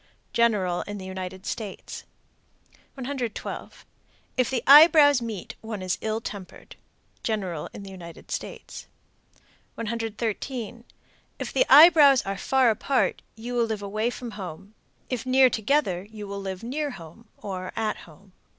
General in the United States. 112. If the eyebrows meet, one is ill tempered. General in the United States. 113. If the eyebrows are far apart, you will live away from home; if near together, you will live near home, or at home.